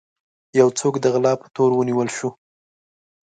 يو څوک د غلا په تور ونيول شو.